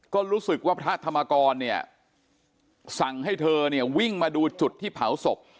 ก็รู้สึกว่าพระธรรมกรเนี่ยสั่งให้เธอเนี่ยวิ่งมาดูจุดที่เผาศพ